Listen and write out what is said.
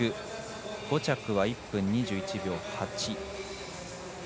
５着は１分２１秒８。